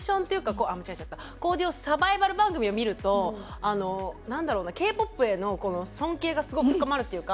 こういうサバイバル番組を見るとなんだろうなＫ−ＰＯＰへの尊敬がすごく深まるっていうか。